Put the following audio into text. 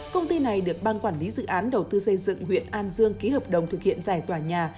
công ty này được ban quản lý dự án đầu tư xây dựng huyện an dương ký hợp đồng thực hiện giải tỏa nhà